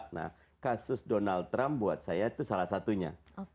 nah kasus donald trump buat saya itu salah satunya